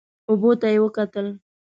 اوبو ته یې وکتل.